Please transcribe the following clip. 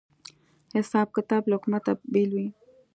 حساب کتاب له حکومته بېل وي